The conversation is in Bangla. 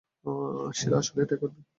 শিলা, আসলেই এটা করবি?